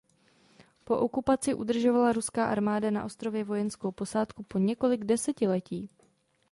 Po okupaci udržovala ruská armáda na ostrově vojenskou posádku po několik desetiletí.